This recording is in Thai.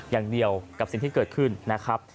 อย่างเดียวกับสิ่งที่เกิดขึ้นนะครับ